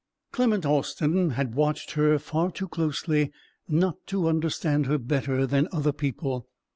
Clement Austin had watched her far too closely not to understand her better than other people.